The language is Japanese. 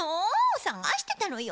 さがしてたのよ。